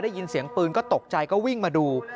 ได้ยินเสียงปืนก็ตกใจก็วิ่งมาดู